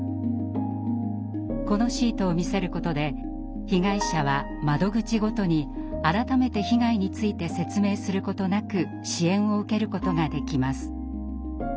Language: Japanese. このシートを見せることで被害者は窓口ごとに改めて被害について説明することなく支援を受けることができます。